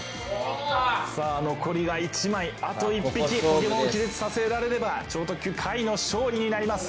さぁ残りが１枚あと１匹ポケモンを気絶させられれば超特急カイの勝利になります。